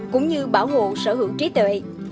cũng như bảo hộ sở hữu trí tuệ